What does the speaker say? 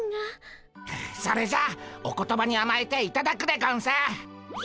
それじゃあお言葉にあまえていただくでゴンス。